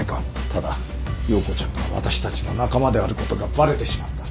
ただ葉子ちゃんが私たちの仲間であることがバレてしまった。